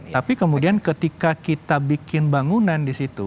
tapi kemudian ketika kita bikin bangunan di situ